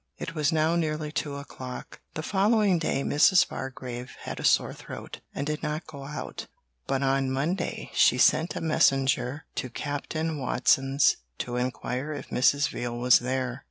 It was now nearly two o'clock. The following day Mrs. Bargrave had a sore throat, and did not go out, but on Monday she sent a messenger to Captain Watson's to inquire if Mrs. Veal was there.